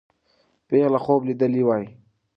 پېغله خوب لیدلی وایي.